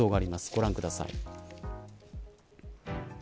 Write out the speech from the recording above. ご覧ください。